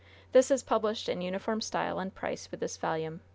This is published in uniform style and price with this volume.